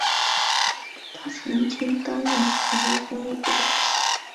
他曾经担任澳洲工业部长。